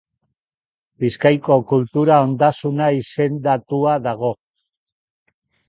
Bizkaiko kultura ondasuna izendatua dago.